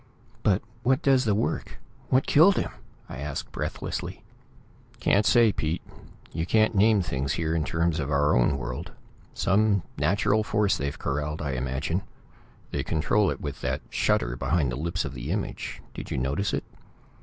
"But what does the work; what killed him?" I asked breathlessly. "Can't say, Pete. You can't name things here in terms of our own world. Some natural force they've corraled, I imagine. They control it with that shutter behind the lips of the image. Did you notice it?"